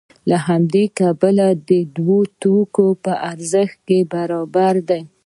له همدې کبله دا دوه توکي په ارزښت کې برابر دي